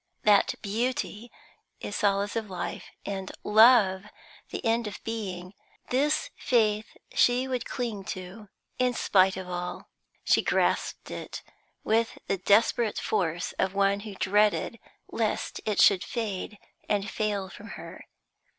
That Beauty is solace of life, and Love the end of being, this faith she would cling to in spite of all; she grasped it with the desperate force of one who dreaded lest it should fade and fail from her.